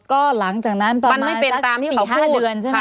ก็หลังจากนั้นประมาณสัก๔๕เดือน